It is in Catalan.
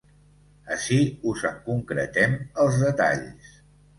Ací us en concretem els detalls.